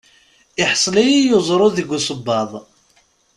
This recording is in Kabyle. Iḥṣel-iyi uẓru deg usebbaḍ.